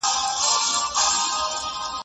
تخیل مو په کار واچوئ.